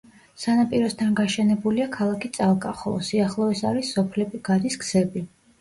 სანაპიროსთან გაშენებულია ქალაქი წალკა, ხოლო სიახლოვეს არის სოფლები, გადის გზები.